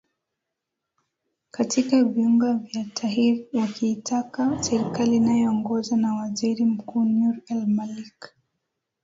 katika viunga vya tahrir wakiitaka serikali inayoongozwa na waziri mkuu nur el malik